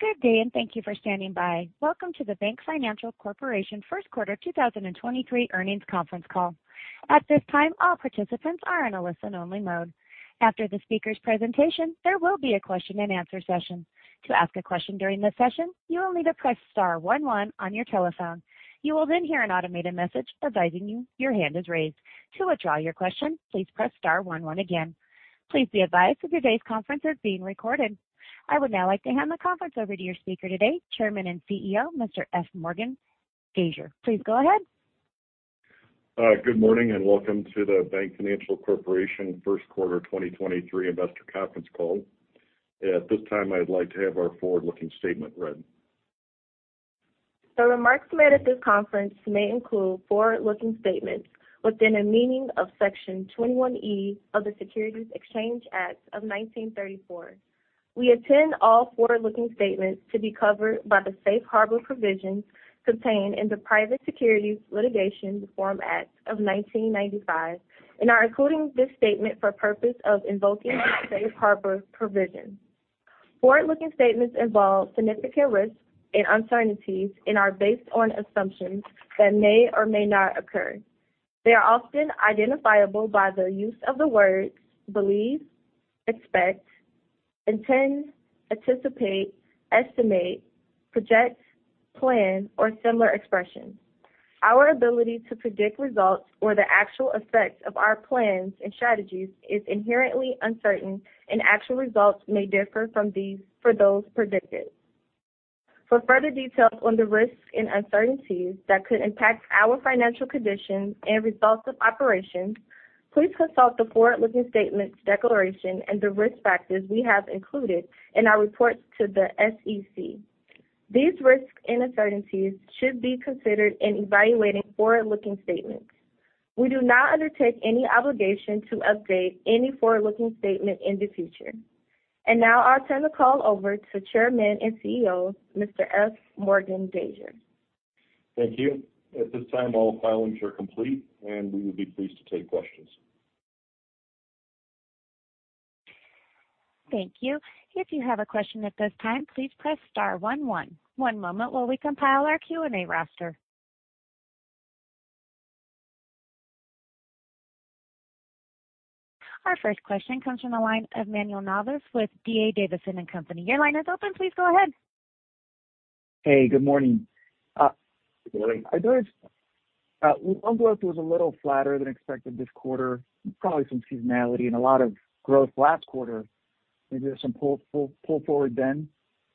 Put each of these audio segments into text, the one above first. Good day, and thank you for standing by. Welcome to the BankFinancial Corporation First Quarter 2023 earnings conference call. At this time, all participants are in a listen-only mode. After the speaker's presentation, there will be a question-and-answer session. To ask a question during this session, you will need to press star one one on your telephone. You will then hear an automated message advising you your hand is raised. To withdraw your question, please press star one one again. Please be advised that today's conference is being recorded. I would now like to hand the conference over to your speaker today, Chairman and CEO, Mr. F. Morgan Gasior. Please go ahead. Good morning and welcome to the BankFinancial Corporation First Quarter 2023 Investor Conference Call. At this time, I'd like to have our forward-looking statement read. The remarks made at this conference may include forward-looking statements within the meaning of Section 21E of the Securities Exchange Act of 1934. We intend all forward-looking statements to be covered by the safe harbor provisions contained in the Private Securities Litigation Reform Act of 1995 and are including this statement for purpose of invoking the safe harbor provisions. Forward-looking statements involve significant risks and uncertainties and are based on assumptions that may or may not occur. They are often identifiable by their use of the words believe, expect, intend, anticipate, estimate, project, plan, or similar expressions. Our ability to predict results or the actual effects of our plans and strategies is inherently uncertain, and actual results may differ from these for those predicted. For further details on the risks and uncertainties that could impact our financial condition and results of operations, please consult the forward-looking statements declaration and the risk factors we have included in our reports to the SEC. These risks and uncertainties should be considered in evaluating forward-looking statements. We do not undertake any obligation to update any forward-looking statement in the future. Now I'll turn the call over to Chairman and CEO, Mr. F. Morgan Gasior. Thank you. At this time, all filings are complete, and we would be pleased to take questions. Thank you. If you have a question at this time, please press star one one. One moment while we compile our Q&A roster. Our first question comes from the line of Manuel Navas with D.A. Davidson & Company. Your line is open. Please go ahead. Hey, good morning. I noticed loan growth was a little flatter than expected this quarter, probably some seasonality and a lot of growth last quarter. Maybe there's some pull forward then.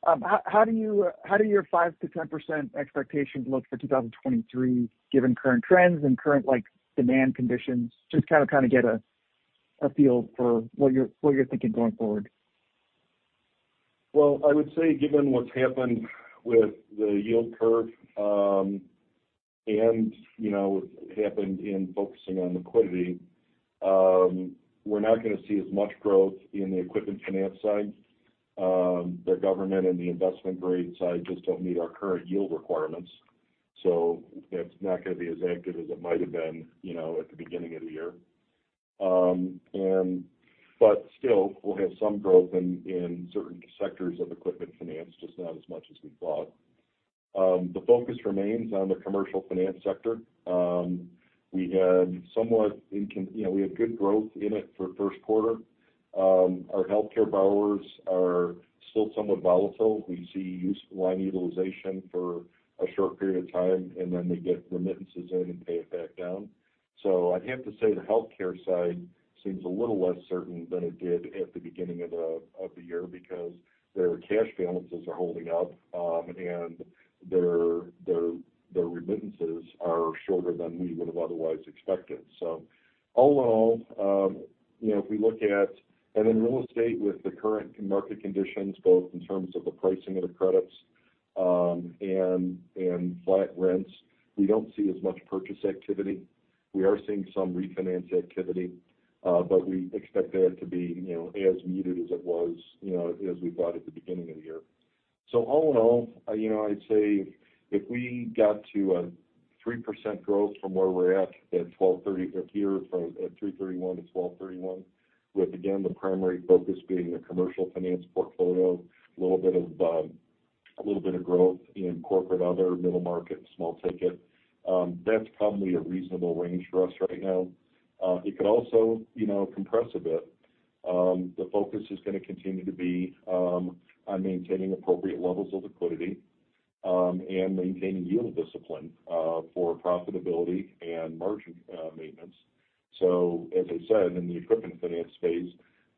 How do you, how do your 5%-10% expectations look for 2023, given current trends and current, like, demand conditions? Just to kind of get a feel for what you're thinking going forward. Well, I would say, given what's happened with the yield curve, and, you know, what happened in focusing on liquidity, we're not going to see as much growth in the equipment finance side. The government and the investment grade side just don't meet our current yield requirements. It's not going to be as active as it might have been, you know, at the beginning of the year. Still, we'll have some growth in certain sectors of equipment finance, just not as much as we thought. The focus remains on the commercial finance sector. We had somewhat, you know, we had good growth in it for first quarter. Our healthcare borrowers are still somewhat volatile. We see useful line utilization for a short period of time, and then they get remittances in and pay it back down. I'd have to say the healthcare side seems a little less certain than it did at the beginning of the, of the year because their cash balances are holding up, and their remittances are shorter than we would have otherwise expected. All in all, you know, if we look at. In real estate, with the current market conditions, both in terms of the pricing of the credits, and flat rents, we don't see as much purchase activity. We are seeing some refinance activity, but we expect that to be, you know, as muted as it was, you know, as we thought at the beginning of the year. All in all, you know, I'd say if we got to a 3% growth from where we're at 12/30 or here from at 3/31 to 12/31, with again the primary focus being the commercial finance portfolio, a little bit of growth in corporate other, middle market, small ticket, that's probably a reasonable range for us right now. It could also, you know, compress a bit. The focus is going to continue to be on maintaining appropriate levels of liquidity and maintaining yield discipline for profitability and margin maintenance. As I said, in the equipment finance space,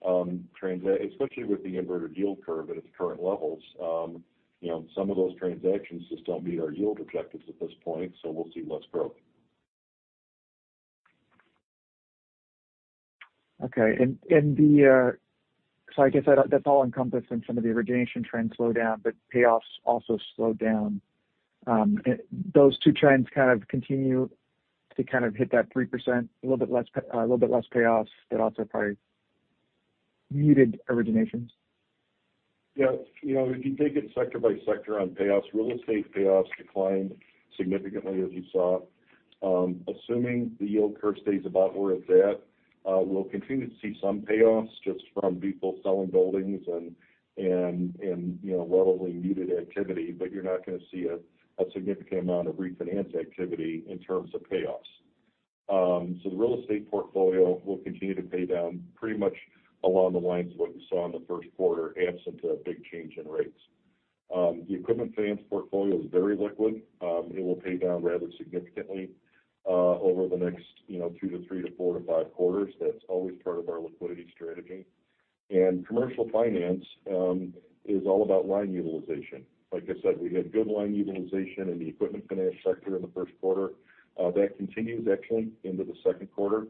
especially with the inverted yield curve at its current levels, you know, some of those transactions just don't meet our yield objectives at this point, so we'll see less growth. Okay. I guess that's all encompassed in some of the origination trends slow down, but payoffs also slowed down. Those two trends kind of continue to hit that 3%, a little bit less payoffs that also probably muted originations? Yeah. You know, if you take it sector by sector on payoffs, real estate payoffs declined significantly, as you saw. Assuming the yield curve stays about where it's at, we'll continue to see some payoffs just from people selling buildings and, you know, relatively muted activity. You're not gonna see a significant amount of refinance activity in terms of payoffs. The real estate portfolio will continue to pay down pretty much along the lines of what you saw in the first quarter, absent a big change in rates. The equipment finance portfolio is very liquid. It will pay down rather significantly over the next, you know, two to three to four to five quarters. That's always part of our liquidity strategy. Commercial finance is all about line utilization. Like I said, we had good line utilization in the equipment finance sector in the first quarter. That continues actually into the second quarter.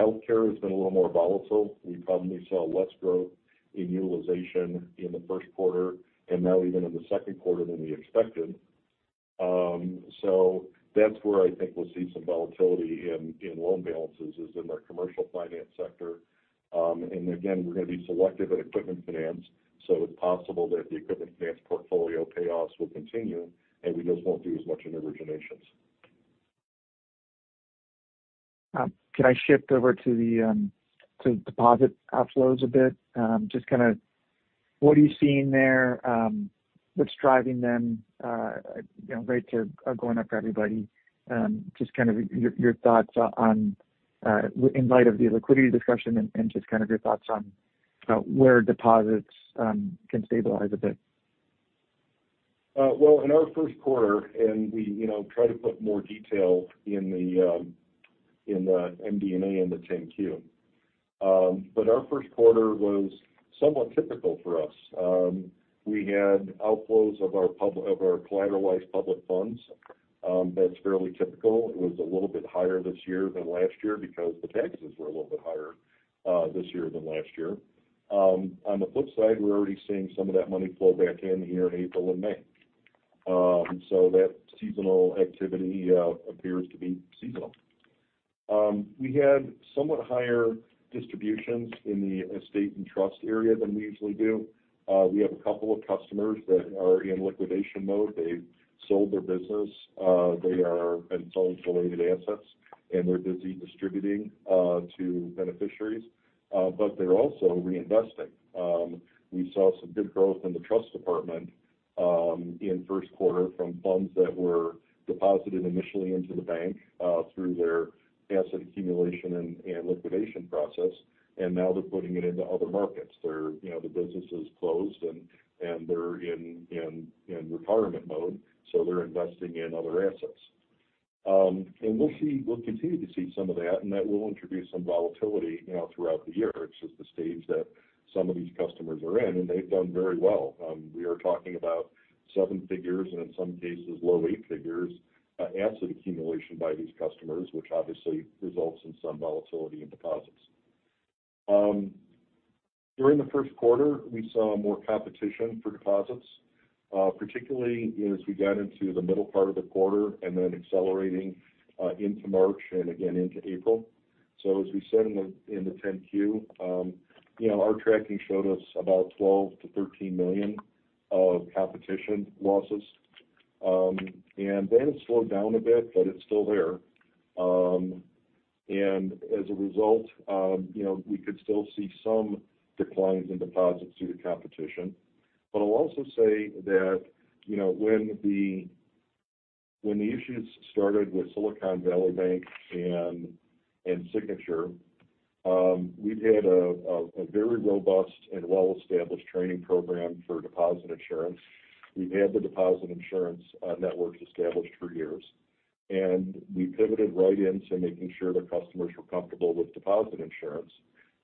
Healthcare has been a little more volatile. We probably saw less growth in utilization in the first quarter and now even in the second quarter than we expected. That's where I think we'll see some volatility in loan balances, is in our commercial finance sector. Again, we're gonna be selective in equipment finance, so it's possible that the equipment finance portfolio payoffs will continue, and we just won't do as much in originations. Can I shift over to deposit outflows a bit? Just kind of what are you seeing there? What's driving them? You know, rates are going up for everybody. Just kind of your thoughts on in light of the liquidity discussion and just kind of your thoughts on where deposits can stabilize a bit? Well, in our first quarter, we, you know, try to put more detail in the MD&A and the 10-Q. Our first quarter was somewhat typical for us. We had outflows of our collateralized public funds. That's fairly typical. It was a little bit higher this year than last year because the taxes were a little bit higher this year than last year. On the flip side, we're already seeing some of that money flow back in here in April and May. That seasonal activity appears to be seasonal. We had somewhat higher distributions in the estate and trust area than we usually do. We have a couple of customers that are in liquidation mode. They've sold their business. They are and sold related assets, and they're busy distributing to beneficiaries, but they're also reinvesting. We saw some good growth in the trust department in first quarter from funds that were deposited initially into the bank through their asset accumulation and liquidation process, and now they're putting it into other markets. They're, you know, the business is closed and they're in retirement mode, so they're investing in other assets. We'll continue to see some of that, and that will introduce some volatility, you know, throughout the year. It's just the stage that some of these customers are in, and they've done very well. We are talking about seven figures and in some cases low eight figures asset accumulation by these customers, which obviously results in some volatility in deposits. During the first quarter, we saw more competition for deposits, particularly as we got into the middle part of the quarter and then accelerating into March and again into April. As we said in the 10-Q, you know, our tracking showed us about $12 million-$13 million of competition losses. That has slowed down a bit, but it's still there. As a result, you know, we could still see some declines in deposits due to competition. I'll also say that, you know, when the issues started with Silicon Valley Bank and Signature, we've had a very robust and well-established training program for deposit insurance. We've had the deposit insurance networks established for years. We pivoted right into making sure that customers were comfortable with deposit insurance.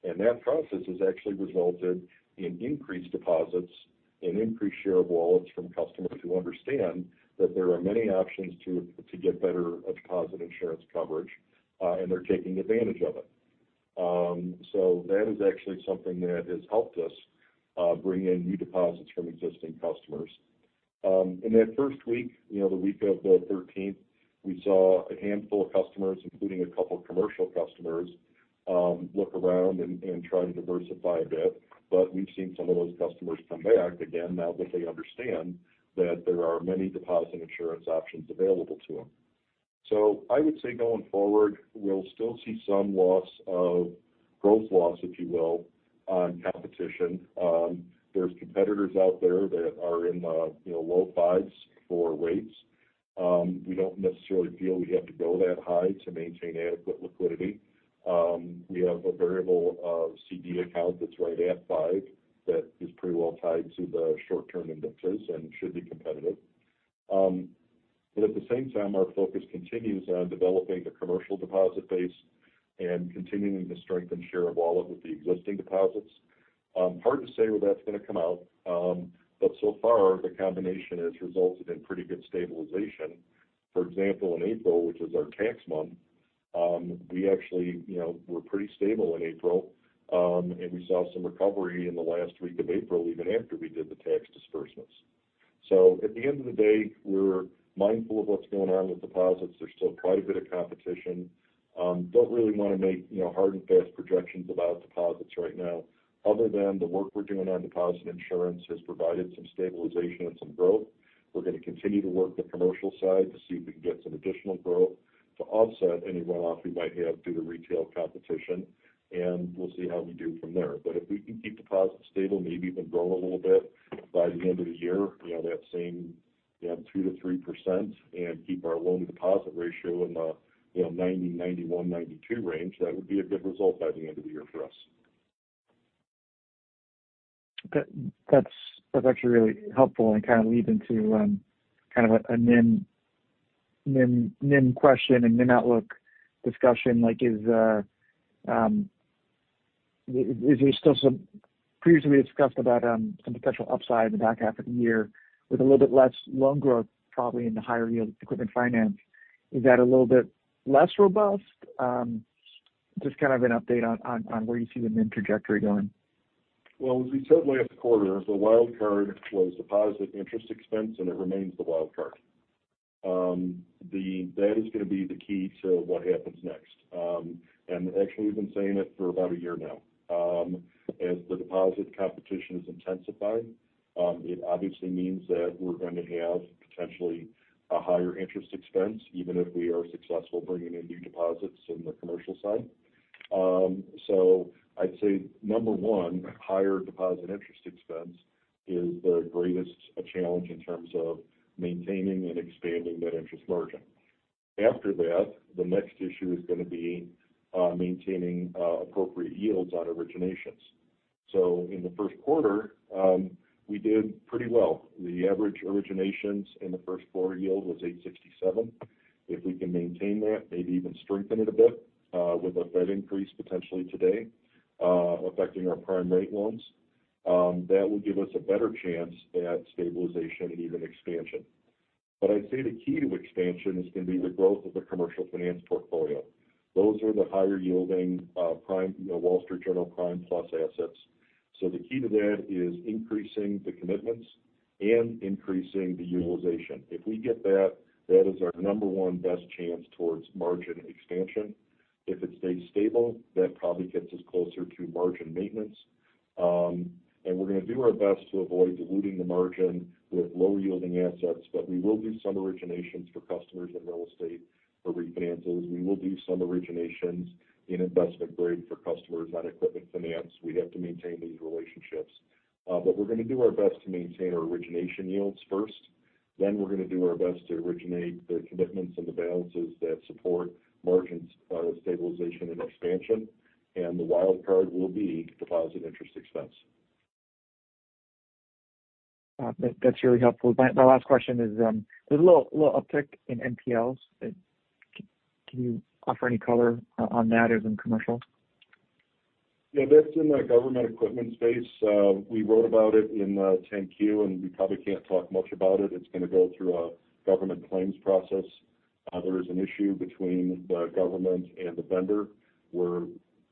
That process has actually resulted in increased deposits and increased share of wallets from customers who understand that there are many options to get better deposit insurance coverage, and they're taking advantage of it. That is actually something that has helped us, bring in new deposits from existing customers. In that first week, you know, the week of the 13th, we saw a handful of customers, including a couple commercial customers, look around and try to diversify a bit. We've seen some of those customers come back again now that they understand that there are many deposit insurance options available to them. I would say going forward, we'll still see some loss of growth, if you will, on competition. There's competitors out there that are in the low fives for rates. We don't necessarily feel we have to go that high to maintain adequate liquidity. We have a variable CD account that's right at five that is pretty well tied to the short-term indexes and should be competitive. At the same time, our focus continues on developing the commercial deposit base and continuing to strengthen share of wallet with the existing deposits. Hard to say where that's gonna come out. So far the combination has resulted in pretty good stabilization. For example, in April, which is our tax month, we actually were pretty stable in April. We saw some recovery in the last week of April even after we did the tax disbursements. At the end of the day, we're mindful of what's going on with deposits. There's still quite a bit of competition. Don't really want to make, you know, hard and fast projections about deposits right now other than the work we're doing on deposit insurance has provided some stabilization and some growth. We're going to continue to work the commercial side to see if we can get some additional growth to offset any runoff we might have due to retail competition. We'll see how we do from there. If we can keep deposits stable, maybe even grow a little bit by the end of the year, you know, that same, you know, 2%-3% and keep our loan deposit ratio in the, you know, 90, 91, 92 range, that would be a good result by the end of the year for us. That's actually really helpful and kind of leads into, kind of a NIM question and NIM outlook discussion like is there still some previously, we had discussed about, some potential upside in the back half of the year with a little bit less loan growth probably in the higher yield equipment finance. Is that a little bit less robust? Just kind of an update on where you see the NIM trajectory going. Well, as we said last quarter, the wild card was deposit interest expense, and it remains the wild card. That is going to be the key to what happens next. Actually we've been saying it for about a year now. As the deposit competition has intensified, it obviously means that we're going to have potentially a higher interest expense, even if we are successful bringing in new deposits in the commercial side. I'd say number one, higher deposit interest expense is the greatest challenge in terms of maintaining and expanding that interest margin. After that, the next issue is going to be maintaining appropriate yields on originations. In the first quarter, we did pretty well. The average originations in the first quarter yield was 8.67. If we can maintain that, maybe even strengthen it a bit, with a Fed increase potentially today, affecting our prime rate loans, that will give us a better chance at stabilization and even expansion. I'd say the key to expansion is going to be the growth of the commercial finance portfolio. Those are the higher yielding, prime, you know, Wall Street Journal prime plus assets. The key to that is increasing the commitments and increasing the utilization. If we get that is our number one best chance towards margin expansion. If it stays stable, that probably gets us closer to margin maintenance. We're going to do our best to avoid diluting the margin with low yielding assets, but we will do some originations for customers in real estate for refinances. We will do some originations in investment grade for customers on equipment finance. We have to maintain these relationships. We're going to do our best to maintain our origination yields first, then we're going to do our best to originate the commitments and the balances that support margins, stabilization and expansion. The wild card will be deposit interest expense. That's very helpful. My last question is, there's a little uptick in NPLs. Can you offer any color on that as in commercial? Yeah, that's in the government equipment space. We wrote about it in the 10-Q, and we probably can't talk much about it. It's going to go through a government claims process. There is an issue between the government and the vendor, where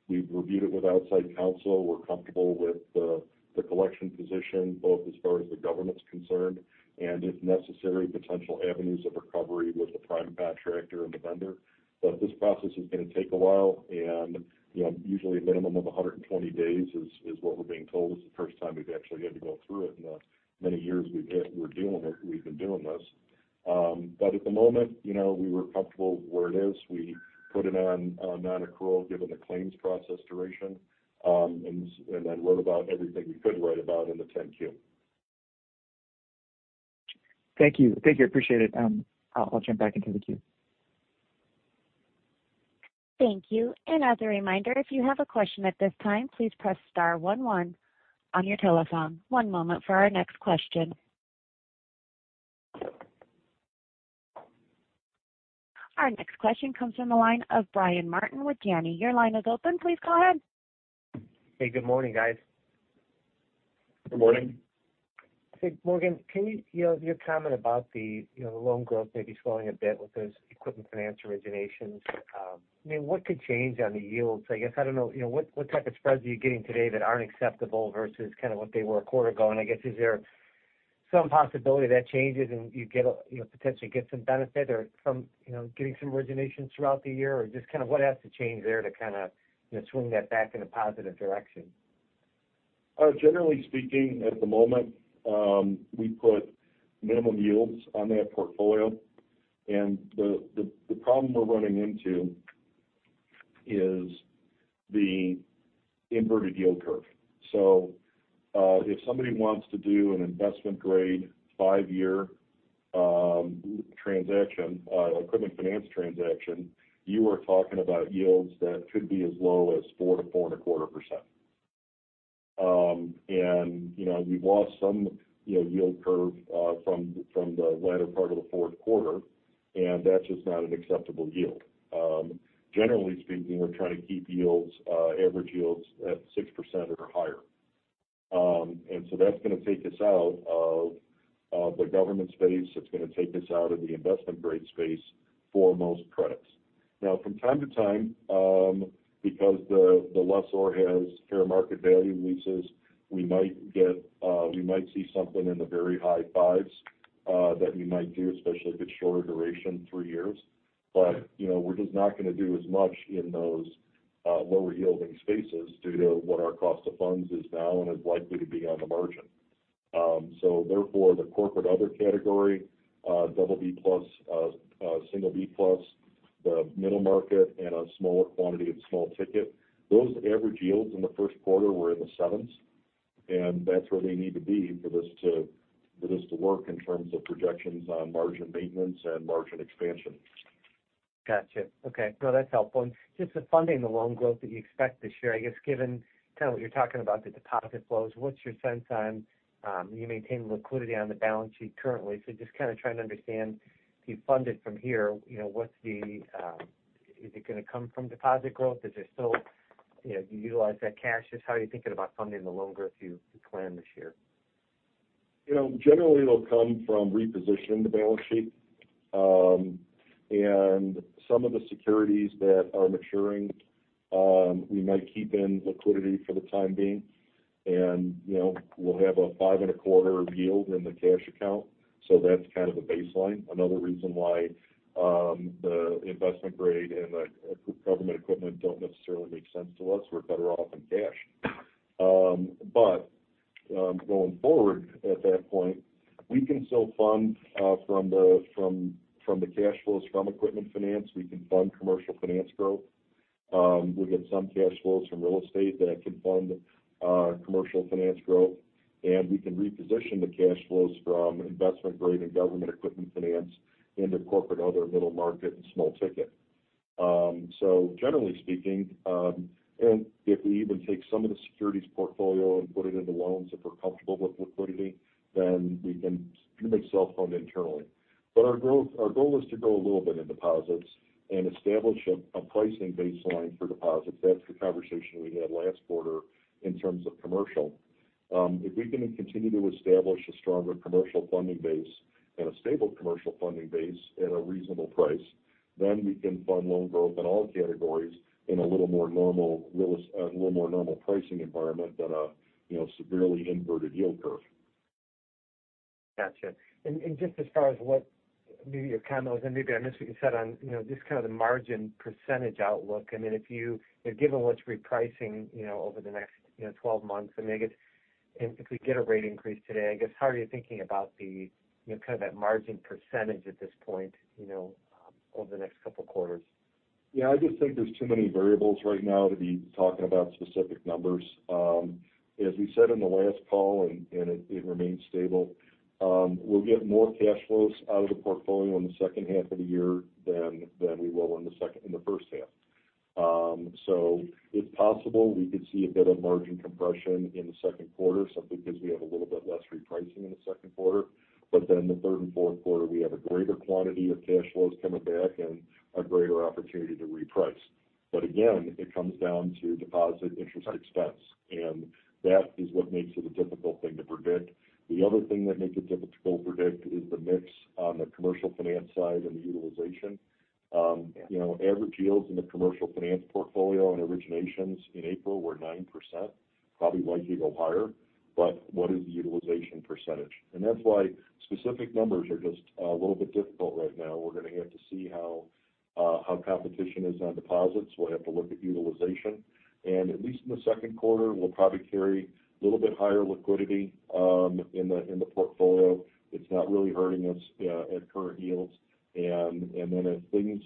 we've reviewed it with outside counsel. We're comfortable with the collection position, both as far as the government's concerned, and if necessary, potential avenues of recovery with the prime contractor and the vendor. This process is going to take a while and, you know, usually a minimum of 120 days is what we're being told. This is the first time we've actually had to go through it in the many years we've been doing this. At the moment, you know, we were comfortable where it is. We put it on nonaccrual given the claims process duration, and then wrote about everything we could write about in the 10-Q. Thank you. Thank you. Appreciate it. I'll jump back into the queue. Thank you. As a reminder, if you have a question at this time, please press star one one on your telephone. One moment for our next question. Our next question comes from the line of Brian Martin with Janney. Your line is open. Please go ahead. Hey, good morning, guys. Good morning. Hey, Morgan, can you your comment about the, you know, the loan growth maybe slowing a bit with those equipment finance originations. I mean, what could change on the yields? I guess, I don't know, you know, what type of spreads are you getting today that aren't acceptable versus kind of what they were a quarter ago? I guess, is there some possibility that changes and you get a, you know, potentially get some benefit or some, you know, getting some originations throughout the year? Just kind of what has to change there to kind of, you know, swing that back in a positive direction? Generally speaking, at the moment, we put minimum yields on that portfolio. The problem we're running into is the inverted yield curve. If somebody wants to do an investment grade five-year transaction, equipment finance transaction, you are talking about yields that could be as low as 4%-four and a quarter percent. You know, we've lost some, you know, yield curve, from the latter part of the fourth quarter, and that's just not an acceptable yield. Generally speaking, we're trying to keep yields, average yields at 6% or higher. That's going to take us out of the government space. It's going to take us out of the investment grade space for most credits. From time to time, because the lessor has fair market value leases, we might get, we might see something in the very high fives. That we might do, especially if it's shorter duration, three years. You know, we're just not gonna do as much in those lower-yielding spaces due to what our cost of funds is now and is likely to be on the margin. Therefore, the corporate other category, BB+, B+, the middle market and a smaller quantity of small ticket, those average yields in the first quarter were in the sevens, and that's where they need to be for this to, for this to work in terms of projections on margin maintenance and margin expansion. Gotcha. Okay. No, that's helpful. Just the funding, the loan growth that you expect this year, I guess, given kind of what you're talking about, the deposit flows, what's your sense on, you maintain liquidity on the balance sheet currently. Just kind of trying to understand if you fund it from here, you know, what's the, is it gonna come from deposit growth? Is there still, you know, do you utilize that cash? Just how are you thinking about funding the loan growth you plan this year? You know, generally, it'll come from repositioning the balance sheet. Some of the securities that are maturing, we might keep in liquidity for the time being. You know, we'll have a five and a quarter yield in the cash account, that's kind of the baseline. Another reason why the investment grade and the government equipment don't necessarily make sense to us, we're better off in cash. Going forward at that point, we can still fund from the cash flows from equipment finance. We can fund commercial finance growth. We'll get some cash flows from real estate that can fund commercial finance growth. We can reposition the cash flows from investment grade and government equipment finance into corporate other middle market and small ticket. Generally speaking, and if we even take some of the securities portfolio and put it into loans, if we're comfortable with liquidity, then we can pretty much self-fund internally. Our goal is to grow a little bit in deposits and establish a pricing baseline for deposits. That's the conversation we had last quarter in terms of commercial. If we can continue to establish a stronger commercial funding base and a stable commercial funding base at a reasonable price, then we can fund loan growth in all categories in a little more normal pricing environment than a, you know, severely inverted yield curve. Gotcha. Just as far as what maybe your comment was, and maybe I missed what you said on, you know, just kind of the margin percentage outlook. I mean, given what's repricing, you know, over the next, you know, 12 months, I mean, I guess if we get a rate increase today, I guess, how are you thinking about the, you know, kind of that margin percentage at this point, you know, over the next couple quarters? Yeah. I just think there's too many variables right now to be talking about specific numbers. As we said in the last call, and it remains stable, we'll get more cash flows out of the portfolio in the second half of the year than we will in the first half. It's possible we could see a bit of margin compression in the second quarter simply because we have a little bit less repricing in the second quarter. The third and fourth quarter, we have a greater quantity of cash flows coming back and a greater opportunity to reprice. Again, it comes down to deposit interest expense, and that is what makes it a difficult thing to predict. The other thing that makes it difficult to predict is the mix on the commercial finance side and the utilization. You know, average yields in the commercial finance portfolio and originations in April were 9%, probably likely to go higher, but what is the utilization percentage? That's why specific numbers are just a little bit difficult right now. We're gonna have to see how competition is on deposits. We'll have to look at utilization. At least in the second quarter, we'll probably carry a little bit higher liquidity in the portfolio. It's not really hurting us at current yields. If things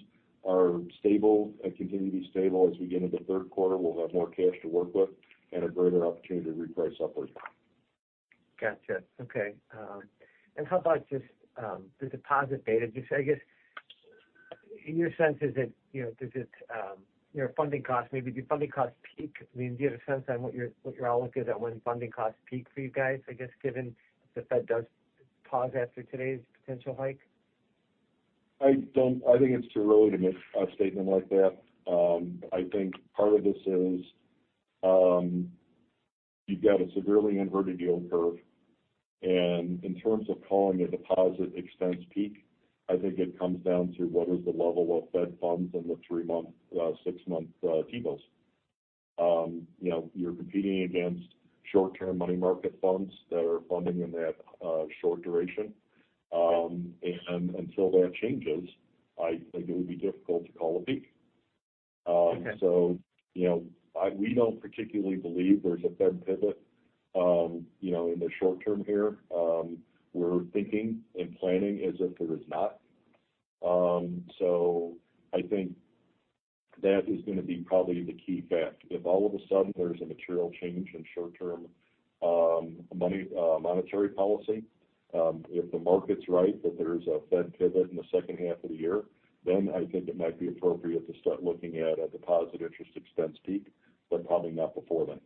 are stable and continue to be stable as we get into the third quarter, we'll have more cash to work with and a greater opportunity to reprice upwards. Gotcha. Okay. How about just the deposit beta? Just I guess in your sense, is it, you know, does it, you know, funding costs, maybe did funding costs peak? I mean, do you have a sense on what your outlook is on when funding costs peak for you guys, I guess, given the Fed does pause after today's potential hike? I don't. I think it's too early to make a statement like that. I think part of this is, you've got a severely inverted yield curve, in terms of calling a deposit expense peak, I think it comes down to what is the level of Fed funds in the three-month, six-month, T-bills. you know, you're competing against short-term money market funds that are funding in that, short duration. Until that changes, I think it would be difficult to call a peak. Okay. You know, we don't particularly believe there's a Fed pivot, you know, in the short term here. We're thinking and planning as if there is not. I think that is gonna be probably the key fact. If all of a sudden there's a material change in short-term money, monetary policy, if the market's right that there's a Fed pivot in the second half of the year, then I think it might be appropriate to start looking at a deposit interest expense peak, but probably not before then.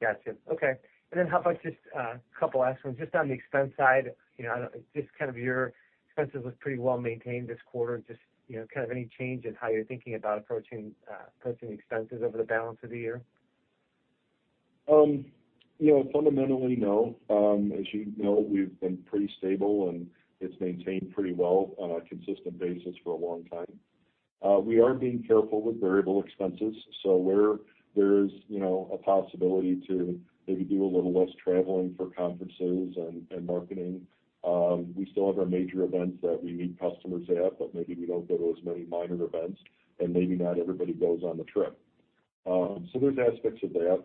Gotcha. Okay. Then how about just a couple last ones? Just on the expense side, you know, just kind of your expenses was pretty well maintained this quarter. Just, you know, kind of any change in how you're thinking about approaching expenses over the balance of the year? You know, fundamentally, no. As you know, we've been pretty stable, and it's maintained pretty well on a consistent basis for a long time. We are being careful with variable expenses. Where there's, you know, a possibility to maybe do a little less traveling for conferences and marketing, we still have our major events that we meet customers at, but maybe we don't go to as many minor events, and maybe not everybody goes on the trip. There's aspects of that.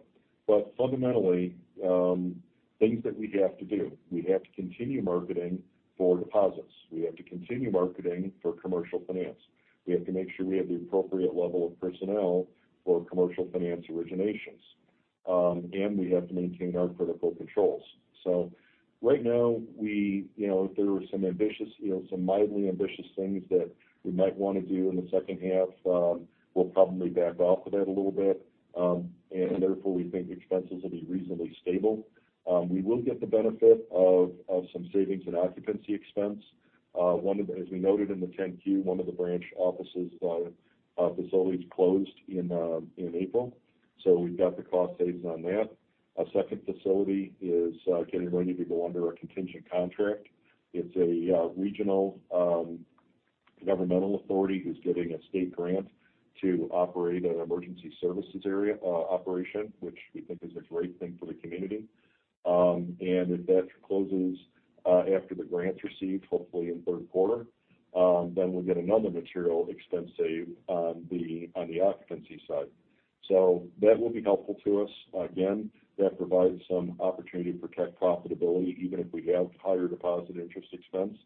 Fundamentally, things that we have to do, we have to continue marketing for deposits. We have to continue marketing for commercial finance. We have to make sure we have the appropriate level of personnel for commercial finance originations. We have to maintain our critical controls. Right now, you know, if there were some ambitious, you know, some mildly ambitious things that we might want to do in the second half, we'll probably back off of that a little bit. Therefore, we think expenses will be reasonably stable. We will get the benefit of some savings in occupancy expense. One of the as we noted in the 10-Q, one of the branch offices, facilities closed in April, so we've got the cost savings on that. A second facility is getting ready to go under a contingent contract. It's a regional, governmental authority who's getting a state grant to operate an emergency services area, operation, which we think is a great thing for the community. If that closes, after the grant's received, hopefully in third quarter, then we'll get another material expense save on the occupancy side. That will be helpful to us. Again, that provides some opportunity to protect profitability even if we have higher deposit interest expense.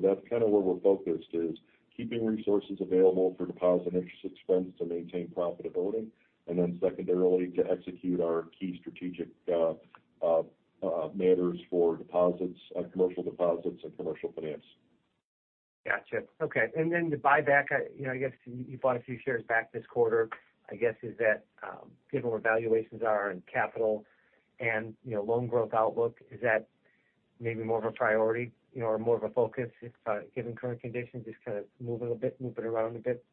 That's kind of where we're focused is keeping resources available for deposit interest expense to maintain profitability and then secondarily to execute our key strategic matters for deposits, commercial deposits and commercial finance. Gotcha. Okay. Then the buyback, I, you know, I guess you bought a few shares back this quarter. I guess is that, given where valuations are in capital and, you know, loan growth outlook, is that maybe more of a priority, you know, or more of a focus if, given current conditions, just kind of move it a bit, move it around a bit?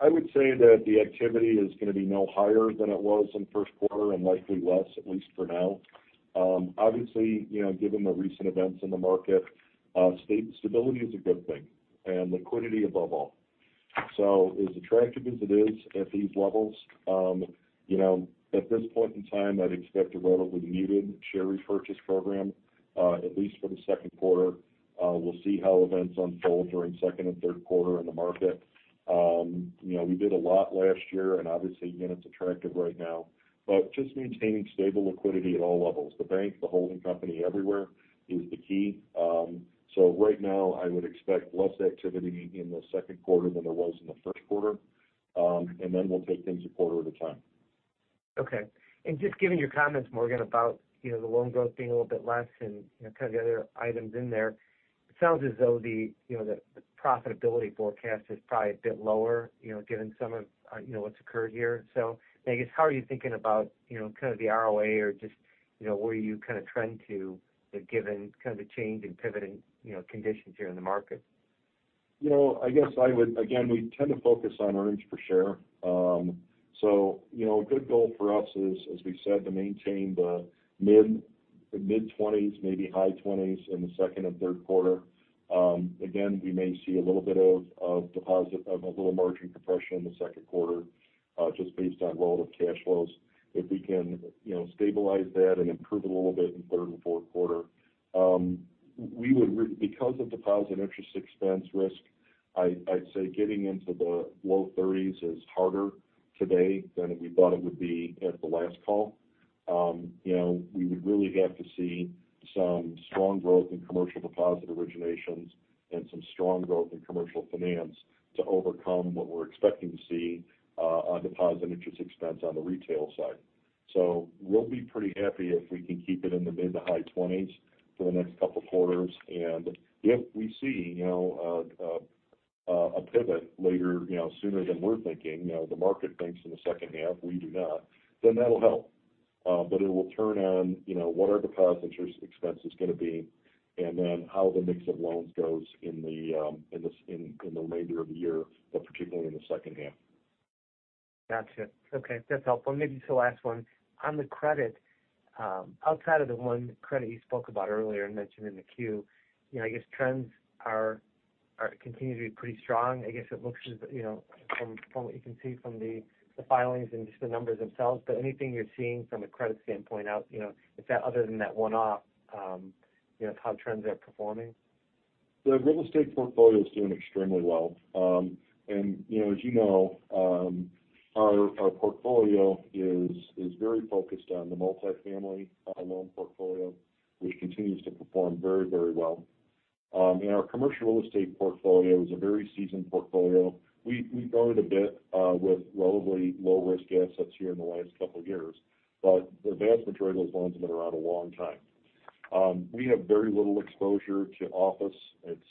I would say that the activity is going to be no higher than it was in first quarter and likely less, at least for now. Obviously, you know, given the recent events in the market, stability is a good thing and liquidity above all. As attractive as it is at these levels, you know, at this point in time, I'd expect a relatively muted share repurchase program, at least for the second quarter. We'll see how events unfold during second and third quarter in the market. You know, we did a lot last year and obviously, you know, it's attractive right now. Just maintaining stable liquidity at all levels, the bank, the holding company everywhere is the key. Right now, I would expect less activity in the second quarter than there was in the first quarter. We'll take things a quarter at a time. Okay. just given your comments, Morgan, about, you know, the loan growth being a little bit less and, you know, kind of the other items in there, it sounds as though the, you know, the profitability forecast is probably a bit lower, you know, given some of, you know, what's occurred here. I guess how are you thinking about, you know, kind of the ROA or just, you know, where are you kind of trending to given kind of the change in pivoting, you know, conditions here in the market? You know, I guess I would. Again, we tend to focus on earnings per share. You know, a good goal for us is, as we've said, to maintain the mid-20s, maybe high 20s in the second and third quarter. Again, we may see a little bit of deposit of a little margin compression in the second quarter, just based on load of cash flows. If we can, you know, stabilize that and improve a little bit in third and fourth quarter, we would re- because of deposit interest expense risk, I'd say getting into the low 30s is harder today than we thought it would be at the last call. You know, we would really have to see some strong growth in commercial deposit originations and some strong growth in commercial finance to overcome what we're expecting to see on deposit interest expense on the retail side. We'll be pretty happy if we can keep it in the mid to high 20s for the next couple quarters. If we see, you know, a pivot later, you know, sooner than we're thinking, you know, the market thinks in the second half, we do not, then that'll help. It will turn on, you know, what are deposit interest expense is going to be and then how the mix of loans goes in the remainder of the year, but particularly in the second half. Gotcha. Okay. That's helpful. Maybe just the last one. On the credit, outside of the one credit you spoke about earlier and mentioned in the Q, you know, I guess trends are continuing to be pretty strong. I guess it looks as, you know, from what you can see from the filings and just the numbers themselves. Anything you're seeing from a credit standpoint out, you know, other than that one-off, you know, how trends are performing? The real estate portfolio is doing extremely well. You know, as you know, our portfolio is very focused on the multifamily loan portfolio, which continues to perform very, very well. Our commercial real estate portfolio is a very seasoned portfolio. We've grown it a bit with relatively low-risk assets here in the last couple years. The vast majority of those loans have been around a long time. We have very little exposure to office. It's,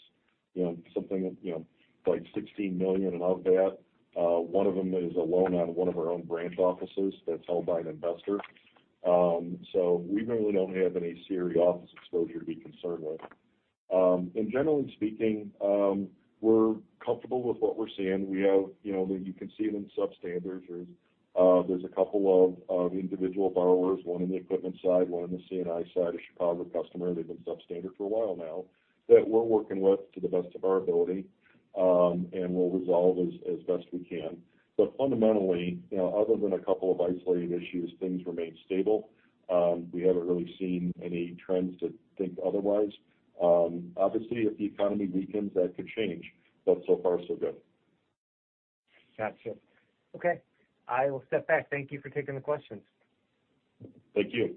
you know, something, you know, like $16 million of that. One of them is a loan out of one of our own branch offices that's held by an investor. We really don't have any serious office exposure to be concerned with. Generally speaking, we're comfortable with what we're seeing. We have, you know, you can see it in substandard. There's, there's a couple of individual borrowers, one in the equipment side, one in the C&I side, a Chicago customer, they've been substandard for a while now, that we're working with to the best of our ability, and we'll resolve as best we can. Fundamentally, you know, other than a couple of isolated issues, things remain stable. We haven't really seen any trends to think otherwise. Obviously, if the economy weakens, that could change, but so far so good. Gotcha. Okay. I will step back. Thank you for taking the questions. Thank you.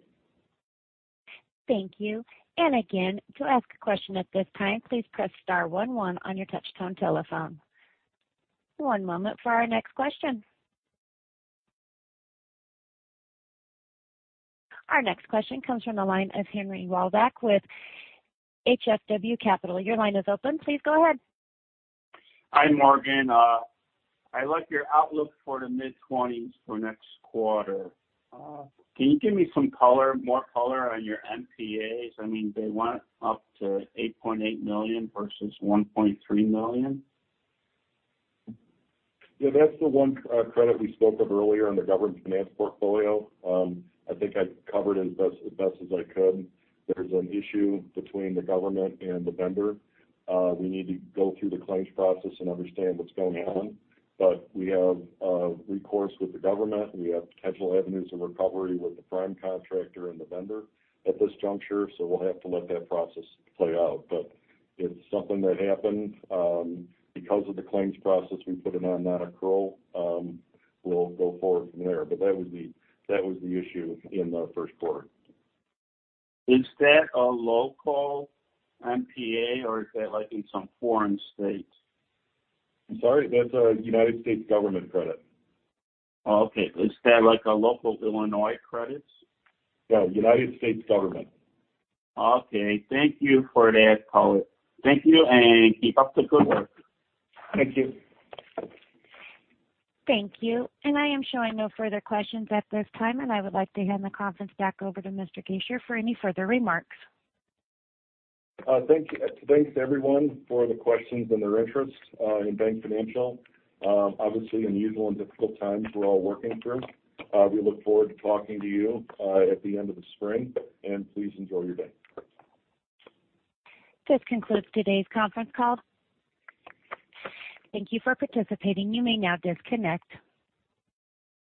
Thank you. Again, to ask a question at this time, please press star one one on your touch-tone telephone. One moment for our next question. Our next question comes from the line of Henry Welbeck with HFW Capital. Your line is open. Please go ahead. Hi, Morgan. I like your outlook for the mid-twenties for next quarter. Can you give me some color, more color on your NPAs? I mean, they went up to $8.8 million versus $1.3 million. Yeah, that's the one credit we spoke of earlier in the government finance portfolio. I think I covered as best as I could. There's an issue between the government and the vendor. We need to go through the claims process and understand what's going on. We have recourse with the government. We have potential avenues of recovery with the prime contractor and the vendor at this juncture, so we'll have to let that process play out. It's something that happened. Because of the claims process, we put it on nonaccrual. We'll go forward from there, but that was the issue in the first quarter. Is that a local NPA or is that like in some foreign state? I'm sorry. That's a United States government credit. Okay. Is that like a local Illinois credit? No, United States government. Okay. Thank you for that call. Thank you, and keep up the good work. Thank you. Thank you. I am showing no further questions at this time, and I would like to hand the conference back over to Mr. Gasior for any further remarks. Thanks, everyone for the questions and their interest in BankFinancial. Obviously unusual and difficult times we're all working through. We look forward to talking to you at the end of the spring. Please enjoy your day. This concludes today's conference call. Thank you for participating. You may now disconnect.